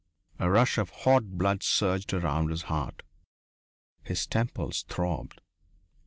A rush of hot blood surged around his heart. His temples throbbed.